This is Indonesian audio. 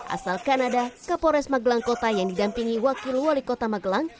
asal kanada kapolres magelang kota yang didampingi wakil wali kota magelang